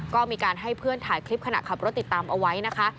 ก็มีการให้เพื่อนถ่ายคลิปขณะขับรถติดตามเอาไว้นะคะ